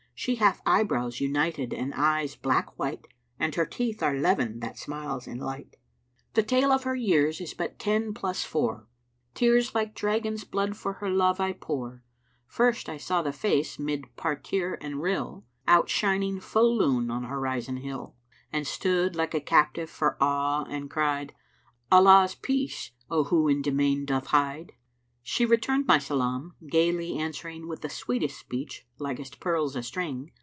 She hath eyebrows united and eyes black white And her teeth are leven that smiles in light: The tale of her years is but ten plus four; Tears like Dragon's blood[FN#334] for her love I pour. First I saw that face 'mid parterre and rill, Outshining full Lune on horizon hill; And stood like a captive for awe, and cried, 'Allah's Peace, O who in demesne[FN#335] doth hide!' She returned my salam, gaily answering With the sweetest speech likest pearls a string.